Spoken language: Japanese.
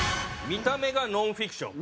見た目がノンフィクション。